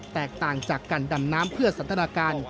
แตกต่างจากการดำน้ำเพื่อสันทนาการ